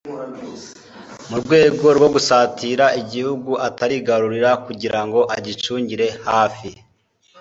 mu rwego rwo gusatira igihugu atarigarurira kugira ngo agicungire hafi,